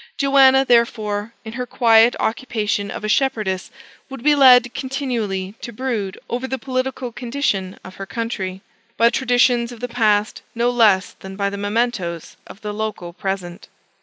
Joanna, therefore, in her quiet occupation of a shepherdess, would be led continually to brood over the political condition of her country, by the traditions of the past no less than by the mementoes of the local present.